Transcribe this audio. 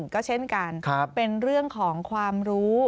ก็เช่นกันเป็นเรื่องของความรู้